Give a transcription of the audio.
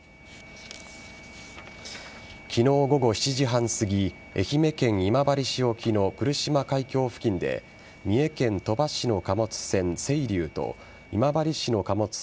昨日午後７時半すぎ愛媛県今治市沖の来島海峡付近で三重県鳥羽市の貨物船「せいりゅう」と今治市の貨物船